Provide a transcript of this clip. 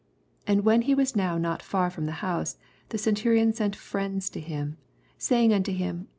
And when he Was now not far from the house, the centurion sent friends to him, saying unto him.